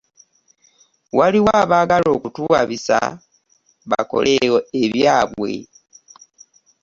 Waliwo abaagala okutuwabisa bakole ebyabwe.